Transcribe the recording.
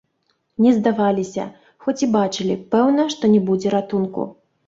Не здаваліся, хоць і бачылі, пэўна, што не будзе ратунку.